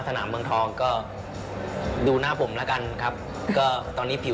ก็จะบอกว่าไอส์เจรูครับผม